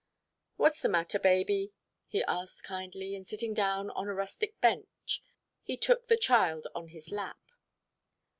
"What's the matter, baby?" he asked kindly, and sitting down on a rustic bench, he took the child on his lap.